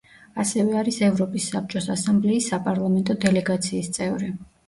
ასევე არის ევროპის საბჭოს ასამბლეის საპარლამენტო დელეგაციის წევრი.